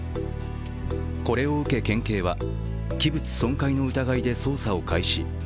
これを受け県警は、器物損壊の疑いで捜査を開始。